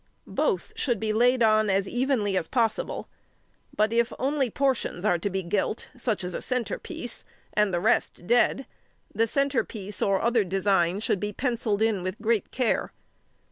Both should be laid on as evenly as possible; but if only portions are to be gilt, such as a centre piece, and the rest dead, the centre piece or other design should be pencilled in with great care.